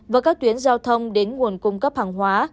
và các tuyến giao thông đến nguồn cung cấp hàng hóa